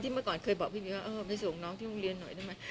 เมื่อก่อนเคยบอกพี่มิวว่าเออไปส่งน้องที่โรงเรียนหน่อยได้ไหม